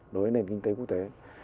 đối với nền kinh tế quốc tế